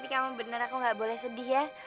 tapi kamu bener aku ga boleh sedih ya